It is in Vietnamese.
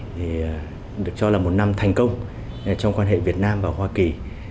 năm hai nghìn một mươi bảy được cho là một năm thành công trong quan hệ việt nam và hoa kỳ